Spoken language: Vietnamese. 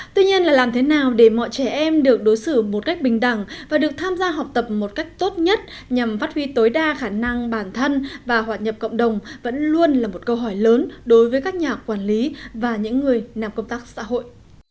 tuy nhiên là làm thế nào để mọi trẻ em được đối xử một cách bình đẳng và được tham gia học tập một cách tốt nhất nhằm phát huy tối đa khả năng bản thân và hòa nhập cộng đồng vẫn luôn là một câu hỏi lớn đối với các nhà quản lý và những người làm công tác xã hội